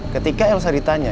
ketika elsa ditanya